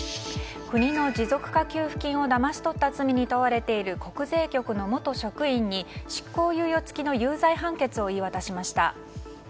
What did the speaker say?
国の持続化給付金をだまし取った罪に問われている国税局の元職員に執行猶予付きの有罪判決を言い渡しました。